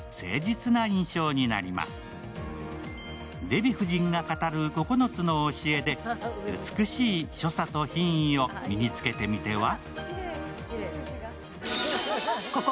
デヴィ夫人が語る９つの教えで美しい所作と品位を身につけてみては？